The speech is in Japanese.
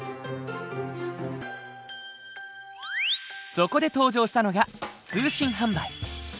そこで登場したのが通信販売。